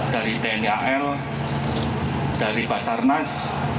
dari tni al dari basarnas